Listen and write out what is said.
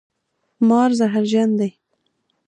مار زهرجن دی